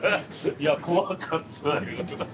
いや怖かった。